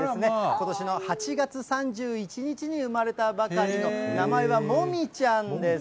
ことしの８月３１日に生まれたばかりの名前はモミちゃんです。